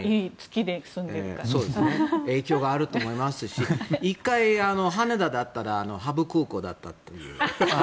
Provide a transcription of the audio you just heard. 影響があると思いますし１回、羽田で会ったらハブ空港だったという。